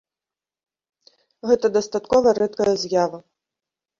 Гэта дастаткова рэдкая з'ява.